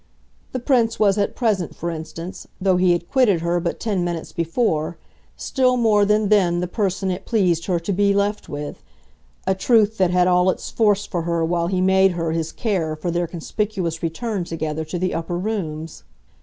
The Prince was at present, for instance, though he had quitted her but ten minutes before, still more than then the person it pleased her to be left with a truth that had all its force for her while he made her his care for their conspicuous return together to the upper rooms.